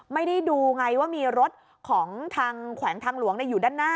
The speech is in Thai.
ไม่ได้ดูไงว่ามีรถของทางแขวงทางหลวงอยู่ด้านหน้า